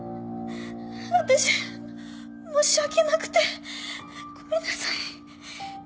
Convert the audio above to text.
私申し訳なくてごめんなさい。